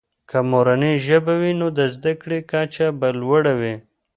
که مورنۍ ژبه وي، نو د زده کړې کچه به لوړه وي.